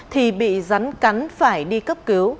thì bị rắn cắn phải đi cấp cứu